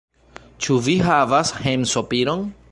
Ĉu vi havas hejmsopiron?